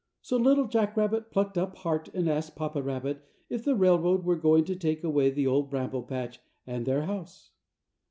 So Little Jack Rabbit plucked up heart and asked Papa Rabbit if the railroad were going to take away the Old Bramble Patch and their house.